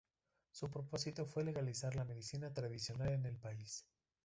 Su propósito fue legalizar la medicina tradicional en el país.